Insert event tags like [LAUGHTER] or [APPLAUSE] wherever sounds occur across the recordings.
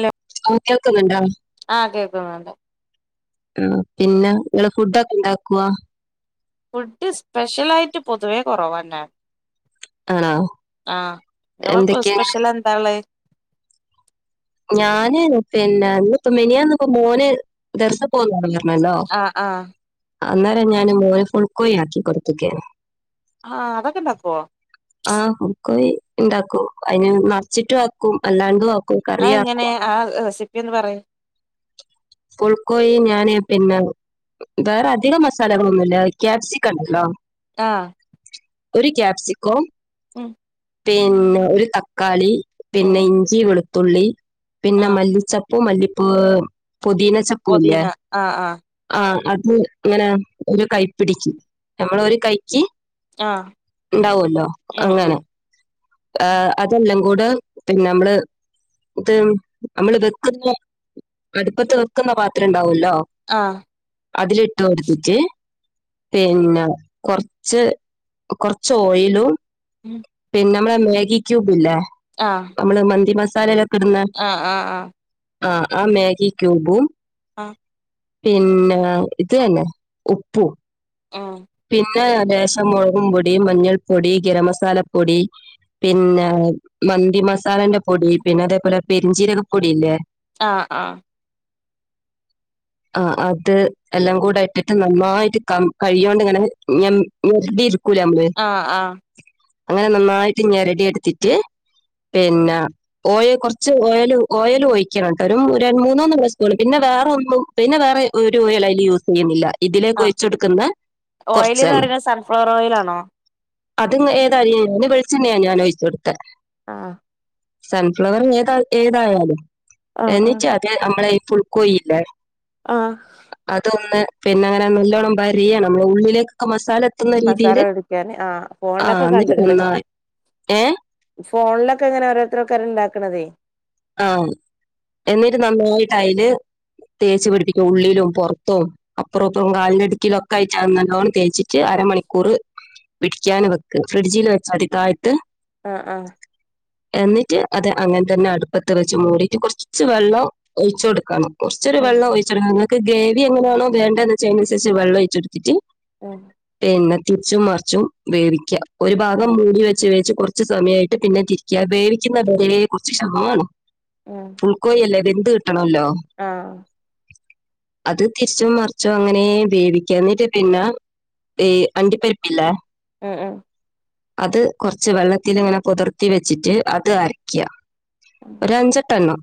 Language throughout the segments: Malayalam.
ലോ ആഹ് കേൾക്കുന്നുണ്ടോ ആ കേൾക്കുന്നുണ്ട് പിന്നെ നിങ്ങള് ഫുഡ് ഒക്കെ ഇണ്ടാക്കോ ഫുഡ് സ്പെഷ്യൽ ആയിട്ട് പൊതുവേ കുറവാ ഇണ്ടക ആണോ? ആ നിങ്ങളെ ഫുഡ് എന്തൊക്കെയാ? സ്പെഷ്യൽ എന്താ ഉള്ളത് ഞാന് പിന്നെ മെനിഞ്ഞാന്ന് ഇപ്പോ മോന് ദർസിൽ പോന്നുണ്ടെല്ലോ. ആ ആ അന്നേരം ഞാന് മോന് ഫുൾകോയി ആക്കി കൊടുത്തുക്യനു ആ അതൊക്കെ ഉണ്ടാക്കോ ആഹ് ഫുൾക്കോയി ഉണ്ടാക്കും, അതിന് നറച്ചിട്ട് ആക്കും, അല്ലാണ്ടും ആക്കും. ആ ഇങ്ങനെ കറിയാക്കും. ആ റെസിപ്പിന്ന് പറയും ഫുൾക്കോയി ഞാന് പിന്നെ. വേറെ അധികം മസാലകളൊന്നുമല്ല ക്യാപ്സിക്കണ്ടല്ലോ. ആ ഒരു ക്യാപ്സിക്കോ ഉം പിന്നെ ഒരു തക്കാളി പിന്നെ ഉം ഇഞ്ചി വെളുത്തുള്ളി പിന്നെ ആഹ് മല്ലിച്ച ഉപ്പ് മല്ലിപ്പ പൊതിന ചപ്പൂ ഇല്ല പൊതീന ആഹ് ആഹ് ആ അ ഇങ്ങനെ ഒരു കൈ പിടിക്ക് നമ്മളെ ഒരു കൈക്ക് ആഹ് ഉണ്ടാവല്ലോ ഉം ഉം അങ്ങനെ ഏ അതല്ലെ കൂടെ പിന്നെ നമ്മള് ഇത് നമ്മള് വെക്ക പ്പൊ അട് പ്പത്ത് വെക്കുന്ന പാത്രണ്ടാവോല്ലോ ആഹ് അതിലിട്ട് കൊടുത്തിട്ട് പിന്നെ കൊറച്ച് കൊറച്ച് ഓയിലും ഉം പിന്നെ നമ്മളെ മാഗി ക്യൂബ്ല്ലേ നമ്മള് മന്തി മസാലേല് ആ ആ ആ ആ ആ മാഗി ക്യൂബും ആ പിന്നെ ഇത് തന്നെ ഉപ്പും ഉം പിന്ന ലേശം മുളകും പൊടി മഞ്ഞൾ പൊടി ഗരമസാലപ്പൊടി പിന്നെ മന്തി മസാലന്റെ പൊടി പിന്നെ അതേപോലെ പെരുംചീരക പൊടില്ലേ ആ ആ ആ അത് എല്ലാം കൂടെ ഇട്ടിട്ട് നന്നായിട്ട് കം കഴിയോണ്ടിങ്ങനെ ഞൻ ഇര് ആ ആ അങ്ങനെ നന്നായിട്ട് ങ്ങനെ റെഡിയാടുത്തിട്ട് പിന്നെ ഓയിൽ കുറച്ച് ഓൽ ഓയിൽ ഓഴിക്കണംട്ട ഒരു ര മൂന്നൂന്ന് സ്പൂൺ പിന്നെ വേറൊന്നും പിന്നെ വേറെ ഒരു ഓയിലും അയ്ല് യൂസ് ചെയ്യുന്നില്ല ഇതിലേക്ക് ആഹ് ഒഴിച്ച് കൊടുക്കുന്ന ഓയില്ന്ന് കുറച്ചാണ് പറയന്നെ സൺഫ്ലവർ ഓയിലാണോ അത് ഏതായാലും ഞൻ വെളിച്ചണ്ണാ ഞാനൊഴിചൊടുത്തെ ആ സൺഫ്ലവർ ഏതാ ഏതായാലും ആഹ് ആഹ് എന്നച്ചാ അത് നമ്മളെ പുൾക്കോഴില്ലേ ആഹ് അതൊന്ന് പിന്നെ അങ്ങനെ നല്ലോണം വരിയണം ഉള്ളിലേക്കൊക്കെ മസാല ലെ മസാല ഒടിക്കാൻ ആ ഫോണിലൊക്കെ എന്നിട്ട് കണ്ട്ക്ക്ണ് നന്നായി ഏ ഫോണിലൊക്കെ ഇങ്ങനെ ഓരോരുത്തരൊക്കെ ഉണ്ടാക്കണതേ ആ എന്നിട്ട് നന്നായിട്ട് അതില് തേച്ച് പിടിപ്പിക്കും ഉള്ളിലും പൊറത്തും അപ്പറം ഇപ്പറും കാലിന് അടുക്കിലോ ഒക്കെ ആയിട്ട് നല്ലോണ്ണം തേച്ചിട്ട് അരമണിക്കൂർ പിടിക്കാന് വെക്ക് ഫ്രിഡ്ജില് വെച്ചാതിട്ടോ ആയിട്ട് താഴത്ത് ആ ആ എന്നിട്ട് അത് അങ്ങനെ തന്നെ അടുപ്പത്ത് വെച്ച് മൂടിട്ട് കുറച്ച് വെള്ളം ഒഴിചൊടുക്കണം കൊർച്ചൊരു ഉം വള്ളം ഒഴിച്ചെടുക്കാണം ഇങ്ങൾക്ക് ഗേവി എങ്ങനാണോ വേണ്ടന്ന് വെച്ച അയിനനുസരിച്ച് വെള്ളം ഒഴിച്ചെടുത്തിട്ട് ഉം പിന്നെ തിരിച്ചും മറിച്ചും വേവിക്ക ഒരു ഭാഗം ഉം മൂടി വെച്ച് വേച്ച് കൊറച്ച് കൊറച്ച് സമയമായിട്ട് പിന്നെ തിരിക്ക വേവിക്കുന്ന വരേ കൊർച്ച് ക്ഷമാണം ഫുൾക്കോഴില്ലേ ത് ട്ടണല്ലോ ആഹ് അത് തിരിച്ചും മറിച്ചും അങ്ങനേ വേവിക്ക എന്നിട്ട് പിന്നെ ഏ അണ്ടിപ്പരപ്പില്ലെ ഉം ഉം അത് കുറച്ച് വെള്ളത്തില്ങ്ങനെ പൊതർത്തി വെച്ചിട്ട് അത് അരക്ക ഒരു അഞ്ചട്ടണ്ണം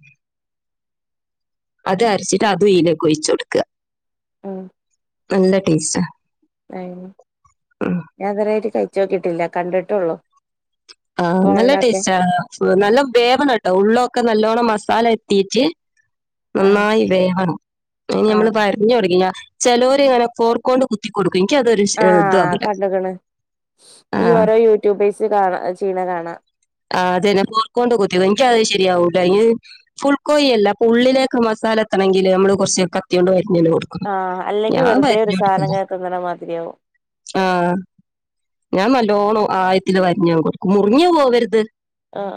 അത് അരച്ചിട്ട് അതും ഇതിലേകൊഴിച്ച് കൊടുക്കുക ആഹ് നല്ല ടേസ്റ്റാ അ ഞാൻഇത് വരെആയിട്ട് കഴിച്ചോക്കീട്ടില്ല കണ്ടിട്ടൊള്ളൂ ആഹ നല്ല ടേസ്റ്റ് ആ നല്ല വേവണട്ടോ ഉള്ളൊക്കെ നല്ലോണ്ണം മസാല എത്തീട്ട് ആഹ് നന്നായി വേവണം ഇനി നമ്മള് ആഹ് വരഞ്ഞോടികില ചെലോർങ്ങനെ ഫോർക്കോണ്ട് കുത്തികൊടുക്കും ആഹ കണ്ട്ക്ക്ണ് ആ ഈ ഓരോ യൂട്യൂബേഴ്സ് കാണ ചെയ്യ്ണ കാണാ ആ് അതന്നെ ഫോർക്കോണ്ട്കുത്തി എനിക്കത് ശെരിയാവൂല ഇ ഫുൾക്കോയി അല്ല അപ ഉള്ളിലേക്ക് മസാ സാല എത്തണെങ്കില് നമ്മ കുറച്ച് കത്ത്യോണ്ട് വര്- ഞ്ഞ്കൊടുക്കണം ആഹ് അല്ലെങ്കി ഞാ വെറുതെ ഒരു സാധനം വരിഞ്ഞൊട്ക്കലാ ഇങ്ങനെ തിന്നണ മാതിരിയാവും ആഹ് ഞാൻ നൽ- ല്ലോണം ആയത്തില് വരിഞ്ഞ കൊട്ക്കും മുറിഞ്ഞ് പോവരുത് ആഹ്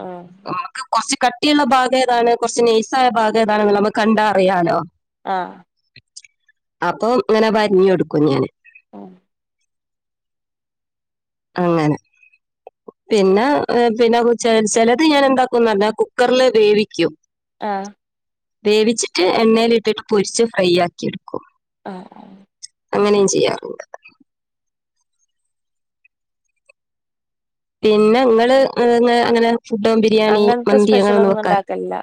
നമക്ക് കൊറച് കട്ടിയുള്ള ഭാഗേതാണ് കുറച്ച് നെയ്സായ ഭാഗേതാണ് നമ്മക്ക് കണ്ടാറിയാലോ ആഹ അപ്പൊ അങ്ങനെ വർഞ്ഞാെടുക്കും ഞാന് ഉ അങ്ങനെ പിന്നെ പിന്നെ ചെല ചിലത് ഞാൻ എന്താക്കുംന്നർഞ്ഞാ കുക്കറില് വേവിക്കും ആഹ് വേവിച്ചിട്ട് എണ്ണേൽ ഇട്ടിട്ട് പൊരിച്ച് ഫ്രൈ ആക്കി എടുക്കും ആഹ ആഹ അങ്ങനിം ചെയ്യാറ്ണ്ട് പിന്നെ ഇങ്ങള് അഅ് അ അങ്ങനെ ഫുഡ് ബിരിയാണി അങ്ങൻ ത്തെ മന്തി അങ്ങനെ സ്പെഷ്യൽ ഒന്നും വെക്കാറ് ഇണ്ടാക്കല്‌ല്ല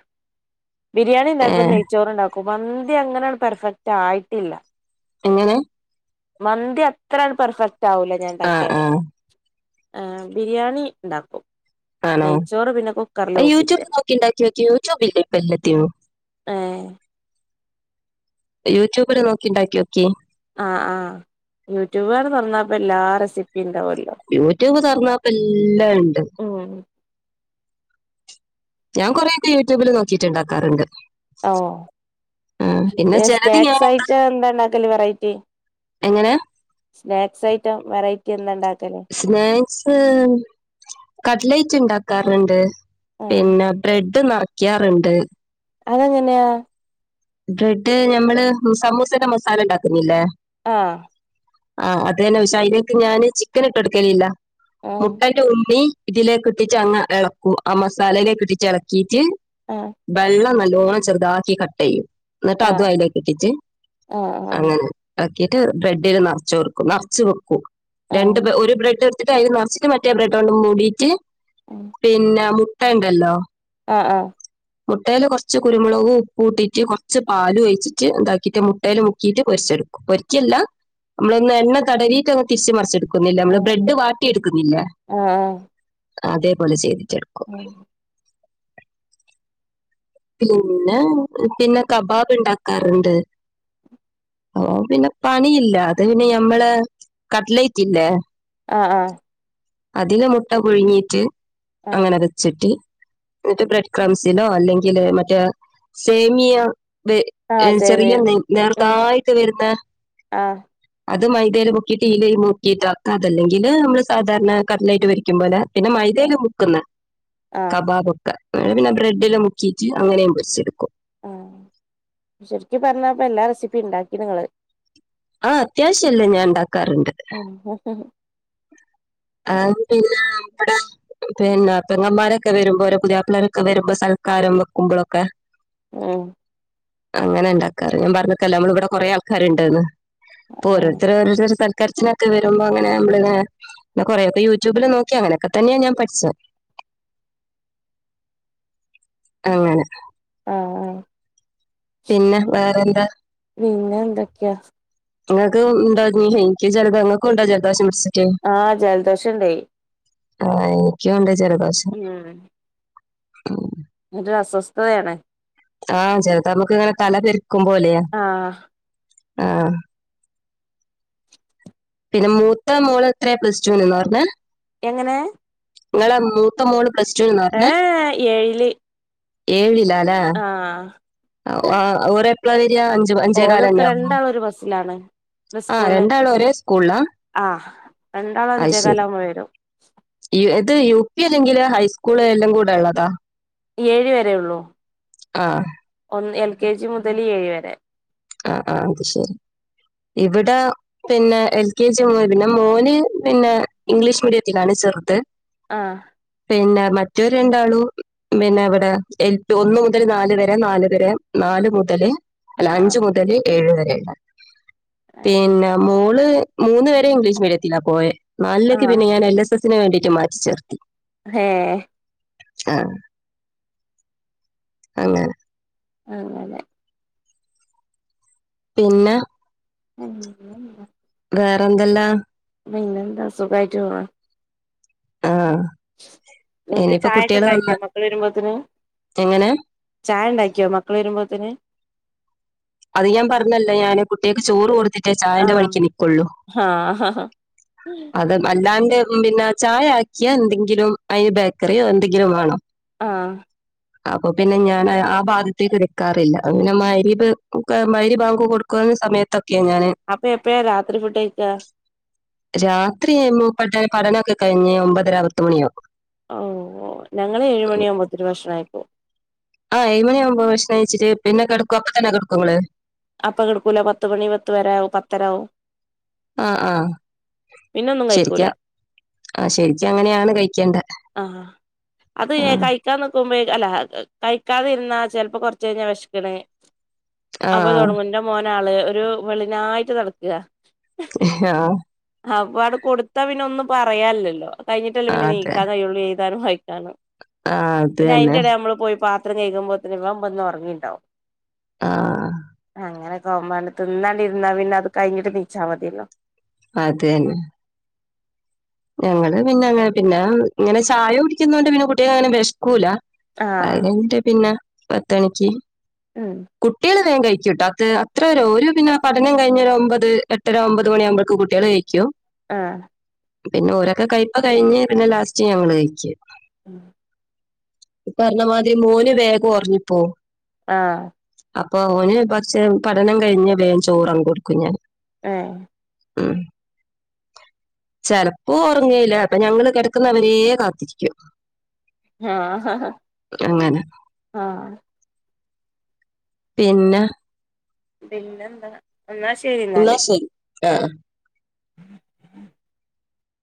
ബിരിയാണി ഇണ്ടാക്കും ഏഹ് നെയ്ച്ചോറ്ണ്ടാക്കും ക്കും മന്തി അങ്ങനെൺ പെർഫെക്റ്റ് ആയിട്ടില്ല എങ്ങനെ മന്തി അത്രങ് പെർഫെക്റ്റ് ആവൂല ഞാൻ ആ ആ ഇണ്ടാക്ക്യാല് ആ ബിരിയാണി ഇണ്ടാക്കും ആണോ അയൂട്യൂബ് നോക്കിണ്ടാക്ക്യോക്കി യൂട്യൂബില്ലേ ഇപ്പ എലത്തിനും ഏ യൂട്യൂബില് നോക്കിണ്ടാക്ക്യോക്കിം ആ ആ് യൂട്യൂബാണ് തൊറന്നാപ്പേ എല്ലാ റെസിപ്പ യൂടൂബ് തൊർന്നാപ്പേ എല്ലാം ഇണ്ട് ഉം ഞാൻ കൊറെക്കെ യൂട്യൂബില് നോക്കീട്ട്ണ്ടാക്കാറ്ണ്ട് ഓ പിന്നെ ചിലത് ഞാൻ സ്നാക്സായിട്ട് എന്താ ഇണ്ടാക്കല് വെറൈറ്റി എങ്ങനെ സ്നാക്സ് ഐറ്റം വെറൈറ്റി എന്താണ്ടാക്ക്- സ്നാക്സ് കട്ലൈറ്റ് ഇണ്ടാക്കാറ്ണ്ട് ആഹ് പിന്നെ ബ്രെഡ് നെറക്ക്യാറ്ണ്ട് അതെങ്ങനെയാ ബ്രെഡ് ഞമ്മള് സമൂസന്റെ മസാല ഇണ്ടാക്ക്ന്നില്ലേ ആഹ് ആ അത് എന്നെ പഷെ അയില്ക്ക് ഞാന് ചിക്കൻ ഇട്ട് എടുക്കലില്ല ആഹ് മുട്ടന്റെ ഉണ്ണി ഇതിലേക്കിഇട്ടിട്ട അങ്ങ് എളക്കും ആ മസാലയിലേക്ക് ഇട്ടിട്ട് എളക്കീട്ട് വെള്ളം നല്ല ല്ലോണം ചെറ്താക്കി കട്ടെയ്യും എന്നിട്ട് ആഹ് അതും അതിലേക്കി ഇട്ടിച്ച് ആഹ് അങ്ങനെ ആക്കീട്ട് ബ്രെഡില് നറച്ചൊട്ക്കും നറച്ച് വെക്കൂ രണ്ട് ആഹ് ഒരു ബ്രെഡ് ന്നട്ടയ്‌ല് നെറച്ച്‌ട്ട മറ്റേ ബ്രെഡോണ്ടും മൂടിട്ട് പിന്നെ മുട്ട ഇണ്ടല്ലോ ആഹ് ആഹ് മുട്ടേല് കൊറച്ച് കുരുമുളകു ഉപ്പൂട്ടിട്ട് കുറച്ച് പാലൊഴിച്ചിട്ട് ഇതാക്കിട്ട് മുട്ടേല് മുക്കീയിട്ട് പൊരിച്ച അത്. പൊരിക്കല്ല, നമ്മളൊന്ന് എണ്ണ തടവിട്ടൊന്ന് തിരിച്ചു മറിച്ചെടു ക്കുന്നില്ല. നമ്മള് ആഹ് ബ്രെഡ് വാട്ടിയെടുക്കുന്നില്ലേ ആഹ് ആഹ് ആഹ് ആഹ് ആഹ് അതേപോലെ ചെയ്തിട്ടെട്ക്കും പിന്നെ പിന്നെ കബാബ് ഇണ്ടാക്കാറ്ണ്ട് ഓ പിന്നെ പണിയില്ല അത് പിന്നെ ഞമ്മള് കട്ട്ലൈറ്റ്ല്ലേ ആ ആ അതില് മുട്ട പുഴുങ്ങീട്ട്, ആഹ് അങ്ങനെ വെച്ചിട്ട് എന്നിട്ട് ബ്രെഡ് ക്രംസിലോ അല്ലെങ്കില് മറ്റേ സേമിയോ വേ ആഹ് ഏഹ്, ചെറിയ സേമിയ നെയ് ഉം നേർത്തായിട്ട് വരുന്ന ആഹ് അത്‌ മൈദേല് മുക്കീട്ട് ഇയിലേല് മുക്കീട്ട് ആക്ക. അതല്ലെങ്കില് നമ്മള് സാധാരണ കട്ലറ്റ് പൊരിക്കുംപോലെ പിന്നെ ആഹ് മൈദേല് മുക്കുന്ന് ആഹ് കബാബൊക്കെ, പിന്നെ ബ്രെഡില് മു മുക്കീട്ട്, അങ്ങനെയും പൊരിച്ചെടുക്കും. ആഹ്, ശെരിക്കും പറഞ്ഞപ്പ എല്ലാ രസിപ്പിണ്ടാക്കിണ് ഇങ്ങള് ആഹ് അത്യാവശ്യല്ലം ഞാൻ ഇണ്ടാക്കാറ്ണ്ട്. ഉം ആഹ് പിന്നെ ഇവടെ പിന്നെ പെങ്ങമാരൊക്കെ വരുമ്പോ ഓരെ പുതിയപ്പളാരൊക്കെ വരുമ്പോ സൽക്കാരം വെക്കുമ്പളൊക്കെ ആഹ് അങ്ങനെ ഇണ്ടാക്കാറ്, ഞാൻ പറഞ്ഞക്കല്ലാ നമ്മളിവിടെ കൊറേ ആൾക്കാര്ണ്ട്ന്ന്. അപ്പൊ ഓരോരര്ത്തരോരോരുത്തര് സൽ കര്ച്ച്ലൊക്കെ വരുമ്പോ അങ്ങനെ നമ്മളിങ്ങനെ പിന്നെ കൊറേയൊക്കെ യൂട്യൂബില് നോക്കി അങ്ങനൊക്കെ തന്നെയാ ഞാൻ പഠിച്ചത്. [INAUDIBLE] അങ്ങനെ ആഹ് പിന്നെ, വേറെന്താ ഞാൻ എന്താക്ക്യ ഇങ്ങൾക്ക് ഉണ്ടോ, [INAUDIBLE] ഇൻക് ചെലത് ഇങ്ങൾക്കുണ്ടോ ജലദോഷം പിടിച്ചേ ആഹ് ജലദോഷണ്ട്. ആഹ് എനിക്കുണ്ട് ജലദോഷം. ഹ്മ്മ് ഒരു അസ്വസ്ഥതയാണ്. ആഹ് ചെലതമ്മക്കിങ്ങനെ തല പെരുക്കുമ്പോലെയാ, ആഹ് ആഹ് പിന്നെ മൂത്ത മോള് എത്രയാ പ്ലസ്ടുന് ന്നാ പറഞ്ഞെ എങ്ങനെ? ഇങ്ങളെ മൂത്ത മോള് പ്ലസ് ടുന്ന് ഏഹ്, ഏഴില്. ഏഴിൽ. ആഹ് ആഹ് ഓരെപ്പള വര്യാ അഞ്ച് അഞ്ചേ ഓരൊക്കെ കാലെന്നെയാവോ രണ്ടാളും ഒരു ബസ്സിലാണ് ആഹ് സ്കൂളില് രണ്ടാളും ഒരെ സ്കൂള്ലാ ആഹ് രണ്ടാളും അത് അഞ്ചേകാല് ശെരി. ആകുമ്പോ വരും ഇ എത്ത യു പി അല്ലെങ്കില് ഹൈസ്കൂള് എല്ലംകൂടെ ഉള്ളതാ ഏഴ് വരെ ഒള്ളൂ. ആഹ് ഹ്മ്മ്, എൽ. കെ. ജി മുതല് ഏഴ് വരെ. ആഹ് ആഹ്, അത് ശെരി. ഇവിട പിന്നെ എൽ. കെ. ജി മുതല്, പിന്നെ മോന് പിന്നെ ഇംഗ്ലീഷ് മീഡിയത്തിലാണ് ചേ ചേർത്തെ ആഹ്. പിന്നെ മറ്റൊര് രണ്ടാളും പിന്നെ ഇവിടെ എൽ പി, ഒന്ന് മുതൽ നാല് വരെ, നാല് വരെ നാ നല് മുതല്, അല്ല ആഹ് അഞ്ച് മുതല് ഏഴ് വരെയുള്ള. പിന്നെ മോള് മൂന്ന് വരെ ഇംഗ്ലീഷ് മീഡിയത്തിലാ പോയേ, നാലിലേക്ക് ആഹ് പിന്നെ ഞാൻഎൽ എസ് സസിന് വേണ്ടിയിട്ട് മാറ്റി ചേർത്തി. ഹേ ആ അങ്ങന അങ്ങനെ പിന്ന ഉംമ് വേറെ എന്തെല്ലം പിന്നെന്താ സുഖായിട്ട് പോണ്. ആഹ്. [UNINTELLIGIBLE] ചായക്ക ഉണ്ടാക്കിയാ മക്കൾ വരുമ്പോത്തനും എങ്ങനെ ചായ ഉണ്ടാക്കിയോ മക്കൾ വരുമ്പോത്തേന് അത് ഞാൻ പറഞ്ഞല്ലേ ഞാന് കുട്ടിയക്ക് ചോറ് കൊടുത്തിട്ടേ ചായന്റെ ആഹ് വഴിക്ക് നിക്കുള്ളൂ ആഹ് അത് [UNINTELLIGIBLE] പിന്നെ ചായ ആക്കിയ എന്തെങ്കിലും അയി ബേക്കറിയോ എന്തെങ്കിലും വേണം ആ അപ്പൊ പിന്നെ ഞാൻ ആ ഭാദത്തേക്ക് എടുക്കാറില്ല അങ്ങനെമാരിപ്പ [UNINTELLIGIBLE] കൊടുക്കാ സമയത്തൊ അപ്പൊ എപ്പഴാ രാത്രി ഫുഡഴിക്കാ രാത്രി മൂപ്പര്ടെ പഠനോക്കെ കഴിഞ്ഞ് ഒമ്പതര പത്ത് മണിയാവും ഓഓ ഞങ്ങള് ഏഴുമണിയാവുമ്പോത്തേനും ഭക്ഷണം കഴിക്കും ആ ഏഴുമണി ആവുമ്പോ ഭഷ്ണ കഴിച്ചിട്ട് പിന്നെ കിടക്കോ അപ്പൊ തന്നെ കിടക്കോ ഇങ്ങള് അപ്പ കിടക്കൂല പത്ത് മണി പത്ത് വരെയാകും പത്തരാവും ആ ആ പിന്നൊന്നും കഴിക്കൂല ശരിക്കാ ആ ശരിക്കും അങ്ങനെയാണ് കഴിക്കേണ്ടത് ആ അത് കഴിക്കാൻ നിക്കുമ്പോ അല്ല കഴിക്കാതിരുന്ന ചെലപ്പോ കുറച്ച് കഴിഞ്ഞ വിശക്കണ് ആ അപ്പ ആ തുടങ്ങും ന്റെ മോൻ [UNINTELLIGIBLE] ഒരു വെളിനായിട്ട് നടക്ക ആ ആ അപ്പ അടെ കൊടുത്താ പിന്നെ ഒന്നും പറയാല്ലില്ലല്ലോ കഴിഞ്ഞിട്ടല്ലേ പിന്നെ ആഹ് അതെ നീക്കാൻ കയുള്ളൂ എഴുതാനും വായിക്കാനും ആഹ് അത് പിന്നെ തന്നെ അയിന്റിടെ നമ്മള് പോയി പാ ത്രം കഴുകുമ്പോത്തേനും വെളമ്പെന്ന് പറഞ്ഞിയിണ്ടാവും ആ അങ്ങനെ [UNINTELLIGIBLE] തിന്നാണ്ടിരുന്നാ ഇരുന്നാ പിന്നെ അത് കഴിഞ്ഞിട്ട് തിന്നിച്ചാൽ മതിയല്ലോ അതന്നെ ഞങ്ങള് പിന്നെ പിന്നെ ഇങ്ങനെ ചായ കുടിക്കുന്നോണ്ട് പിന്നെ കുട്ടിയക്കങ്ങനെ വെശക്കൂല അത് ആഹ് കഴിഞ്ഞിട്ട് പിന്നെ പത്തണിക്ക് ഉം കുട്ടികൾ വേഗം കഴി കുട്ടാ അത് അത്രരു ഓര് പിന്നെ പഠനം കഴിഞ്ഞ് ഒരു ഒമ്പത് എട്ടര ഒമ്പത് മണിയാകുമ്പോക്ക് കുട്ടികൾ കഴിക്കും ആ പിന്നെ ഓരൊക്കെ കയിപ്പ് കഴിഞ്ഞ് പിന്നെ ലാസ്റ്റ് ഞങ്ങള് കഴിക്കും ഉം ഇ പറഞ്ഞാമാതിരി മോന് വേഗം ഒറങ്ങിപ്പോം ആ അപ്പൊ അവന് പക്ഷെ പഠനം കഴിഞ്ഞ് വേം ചോറങ്ങ് കൊടുക്കും ഞാൻ ആ ഉം ചിലപ്പോ ഒറങ്ങേല അപ്പൊ ഞങ്ങള് കിടക്കുന്നവരേ കാത്തിരിക്കും ആ ഹ ഹ അങ്ങനെ ആ പിന്ന പിന്നെന്താ എന്നാ ശരി എന്നാല് ഉം